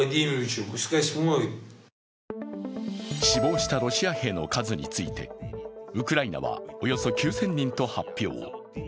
死亡したロシア兵の数について、ウクライナはおよそ９０００人と発表。